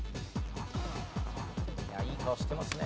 いやいい顔してますね。